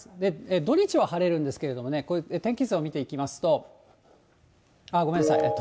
土日は晴れるんですけれどもね、こういう天気図を見ていきますと、ごめんなさい。